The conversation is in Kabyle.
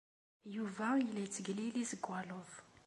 Yuba yella yettegliliz deg waluḍ.